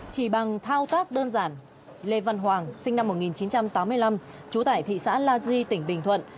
chỉ bằng thao tác đơn giản lê văn hoàng sinh năm một nghìn chín trăm tám mươi năm trú tại thị xã la di tỉnh bình thuận